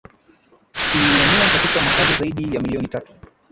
ienea katika makazi zaidi ya milioni tatu